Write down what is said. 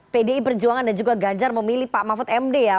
pdi perjuangan dan juga ganjar memilih pak mahfud md ya